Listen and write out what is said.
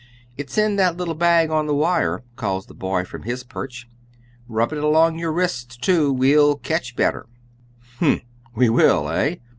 "It's in that little bag on the wire," calls the boy from his perch. "Rub it along your wrists, too; we'll ketch better." H'm! We will, eh?